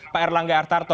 pak erlangga artarto